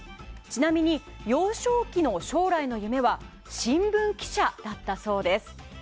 ちなみに幼少期の将来の夢は新聞記者だったそうです。